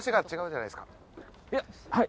いやはい。